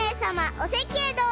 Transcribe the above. おせきへどうぞ！